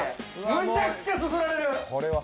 むちゃくちゃそそられる。